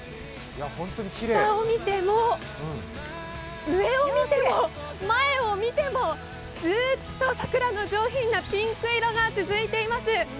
下を見ても、上を見ても、前を見てもずっと桜の上品なピンク色が続いています。